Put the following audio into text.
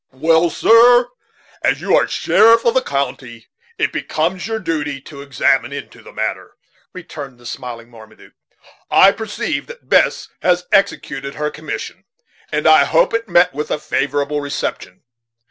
"Well, sir, as you are sheriff of the county, it becomes your duty to examine into the matter," returned the smiling Marmaduke, "I perceive that Bess has executed her commission, and I hope it met with a favorable reception."